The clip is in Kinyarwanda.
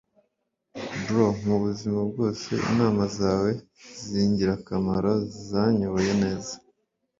bro, mubuzima bwose inama zawe zingirakamaro zanyoboye neza